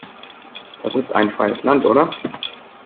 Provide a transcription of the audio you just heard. Das ist ein freies Land, oder?